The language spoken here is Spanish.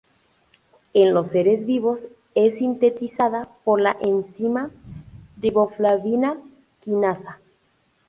En los seres vivos es sintetizada por la enzima riboflavina quinasa.